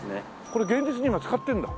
これ現実に今使ってるんだ？